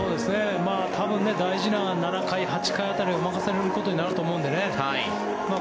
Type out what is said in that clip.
多分大事な７回、８回辺りを任されることになると思うのでね